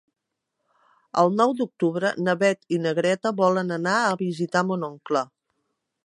El nou d'octubre na Beth i na Greta volen anar a visitar mon oncle.